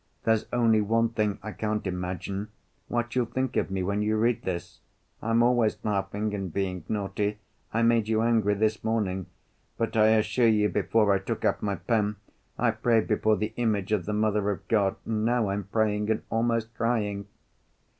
There's only one thing I can't imagine: what you'll think of me when you read this. I'm always laughing and being naughty. I made you angry this morning, but I assure you before I took up my pen, I prayed before the Image of the Mother of God, and now I'm praying, and almost crying.